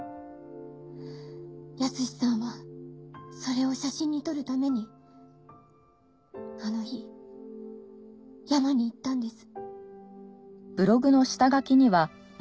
保志さんはそれを写真に撮るためにあの日山に行ったんです。